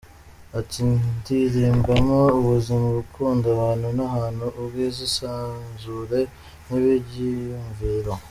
Ati “Ndirimbamo ubuzima, urukundo, abantu n’ahantu, ubwiza, isanzure n’ibyiyumviro.